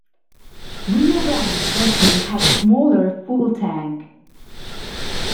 Rio Grande's version has a smaller fuel tank.